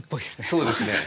そうですね。